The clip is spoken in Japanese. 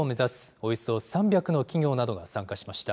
およそ３００の企業などが参加しました。